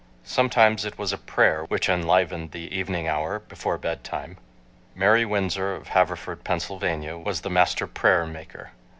Sometimes it was a "prayer" which enlivened the evening hour before bedtime. Mary Winsor of Haverford, Pennsylvania, was the master prayer maker.